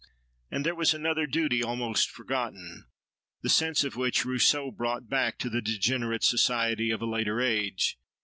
And there was another duty almost forgotten, the sense of which Rousseau brought back to the degenerate society of a later age.